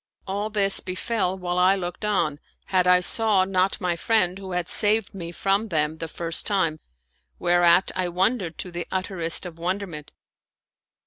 All this befell while I looked on, and I saw not my friend who had saved me from them the first time, whereat I wondered to the utterest of wonderment.